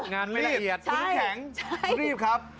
งานไม่ละเอียดคุณน้ำแข็งรีบครับ